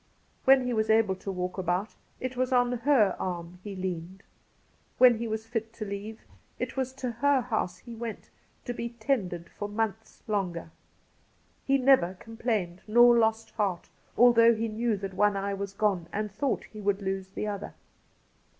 When he was able to walk about, it was on her arm he leaned. When he was fit to leave, it was to her house he went to be tended for months longer. He never complained nor lost heart, although he knew that one eye was gone and thought he would lose the other.